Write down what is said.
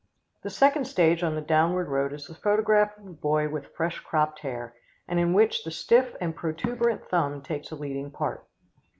The second stage on the downward road is the photograph of the boy with fresh cropped hair, and in which the stiff and protuberant thumb takes a leading part.